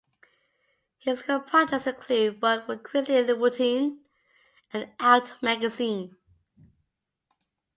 His current projects include work for Christian Louboutin and "Out" magazine.